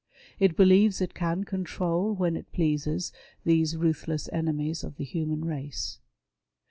It believes it can control when it pleases these ruthless enemies of the human race.